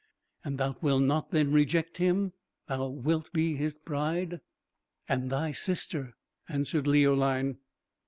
"And thou wilt not then reject him? Thou wilt be his bride?" "And thy sister," answered Leoline.